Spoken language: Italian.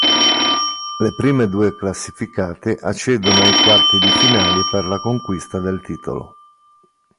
Le prime due classificate accedono ai quarti di finale per la conquista del titolo.